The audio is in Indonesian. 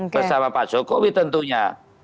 bersama pak jokowi tentunya